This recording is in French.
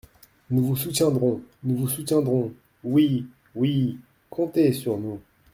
»Nous vous soutiendrons ! nous vous soutiendrons ! »Oui ! oui ! comptez sur nous.